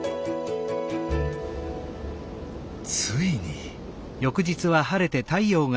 ついに。